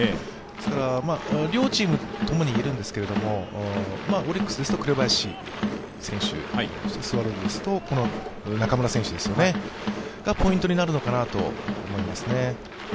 両チームともいるんですけれどもオリックスですと紅林、スワローズですとこの中村選手がポイントになると思いますね。